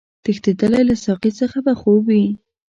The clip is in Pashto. تښتېدلی له ساقي څخه به خوب وي